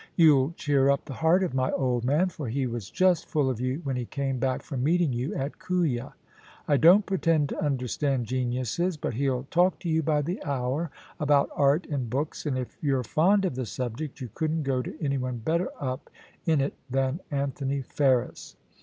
You'll cheer up the heart of my old man, for he was just full of you when he came back from meeting you at Kooya. I don't pretend to understand geniuses, but he'll talk to you by the hour about art and books, and if you're fond of the subject you couldn't go to anyone better up in it than Anthony Ferris.'